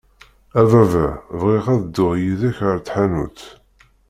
A baba, bɣiɣ ad dduɣ yid-k ɣer tḥanutt.